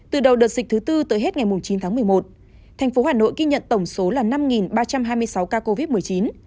từ đầu đợt dịch thứ tư tới hết ngày chín tháng một mươi một thành phố hà nội ghi nhận tổng số là năm ba trăm hai mươi sáu ca covid một mươi chín